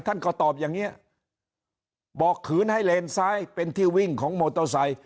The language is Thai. ท่านก็ตอบอย่างนี้บอกขืนให้เลนซ้ายเป็นที่วิ่งของมอเตอร์ไซค์